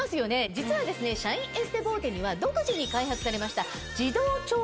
実はシャインエステボーテには独自に開発されました。